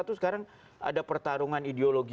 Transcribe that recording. itu sekarang ada pertarungan ideologi